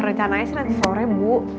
rencananya sih nanti sore bu